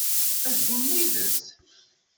Ad ddun yid-s?